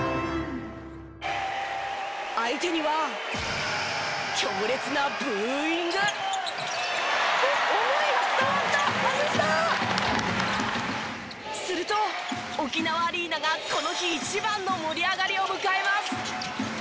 相手にはすると沖縄アリーナがこの日一番の盛り上がりを迎えます。